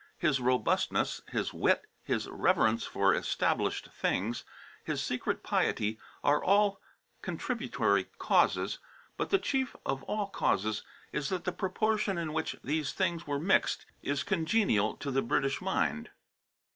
His robustness, his wit, his reverence for established things, his secret piety are all contributory causes; but the chief of all causes is that the proportion in which these things were mixed is congenial to the British mind.